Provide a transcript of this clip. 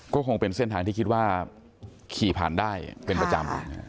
ก็คงเป็นเส้นทางที่คิดว่าขี่ผ่านได้เป็นประจำ